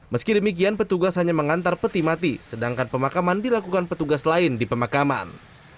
meski demikian petugas hanya mengantar peti mati sedangkan pemakaman dilakukan petugas lain di pemakaman